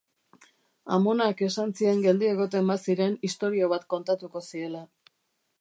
Amonak esan zien geldi egoten baziren istorio bat kontatuko ziela.